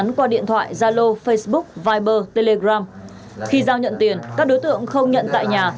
mà hãy nhận phơi đề trực tiếp và đối tượng không nhận phơi đề trực tiếp